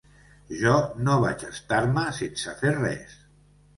Jo no vaig estar-me sense fer res.